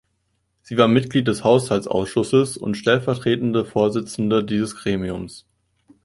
Sie war Mitglied des Haushaltsausschusses und stellvertretende Vorsitzende dieses Gremiums.